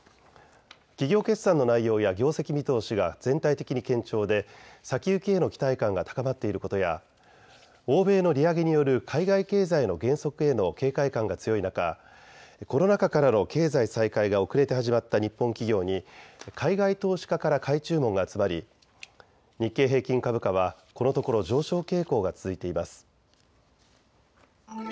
企業決算の内容や業績見通しが全体的に堅調で先行きへの期待感が高まっていることや欧米の利上げによる海外経済の減速への警戒感が強い中、コロナ禍からの経済再開が遅れて始まった日本企業に海外投資家から買い注文が集まり、日経平均株価はこのところ上昇傾向が続いています。